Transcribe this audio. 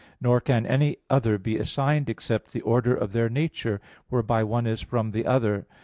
Nor can any other be assigned except the order of their nature, whereby one is from the other.